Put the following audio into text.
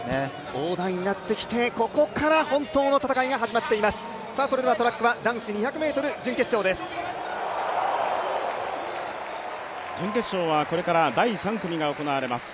大台になってきて、ここから本当の戦いになります。